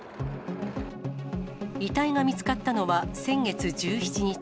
遺体が見つかったのは先月１７日。